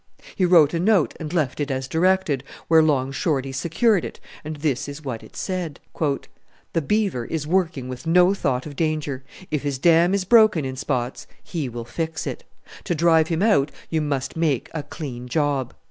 He wrote a note and left it as directed, where Long Shorty secured it, and this is what it said, "The Beaver is working with no thought of danger. If his dam is broken in spots he will fix it. To drive him out you must make a clean job.